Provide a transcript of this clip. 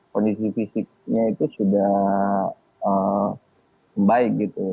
kondisi fisiknya itu sudah membaik gitu